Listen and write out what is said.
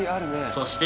そして。